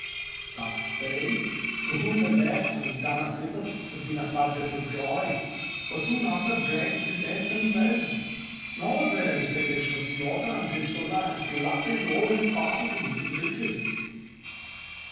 Thus they, to whom the death of Dama sippus had been a subject of joy, were soon after dragged to death themselves ; nor was there any cessation of slaughter, until Sulla had glut ted all his partizans with riches.